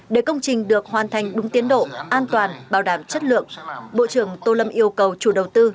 để công trình được hoàn thành đúng tiến độ an toàn bảo đảm chất lượng bộ trưởng tô lâm yêu cầu chủ đầu tư